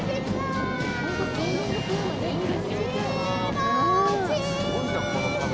気持ちいい！